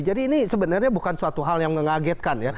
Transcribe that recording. jadi ini sebenarnya bukan suatu hal yang mengagetkan